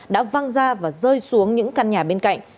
đã văng ra và rơi xuống những căn nhà bên cạnh